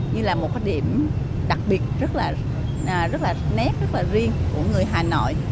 như là một cái điểm đặc biệt rất là nét rất là riêng của người hà nội